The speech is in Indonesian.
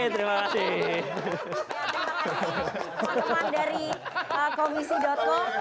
terima kasih teman teman dari komisi com